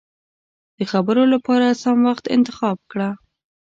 د خبرو له پاره سم وخت انتخاب کړه.